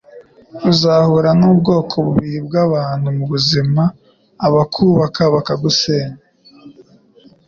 Uzahura nubwoko bubiri bwabantu mubuzima: abakubaka bakagusenya.